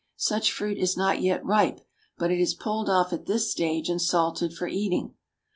Such fruit is not yet ripe, but it is pulled off at this stage and salted for eating.